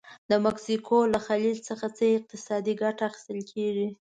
د مکسیکو له خلیج څخه څه اقتصادي ګټه اخیستل کیږي؟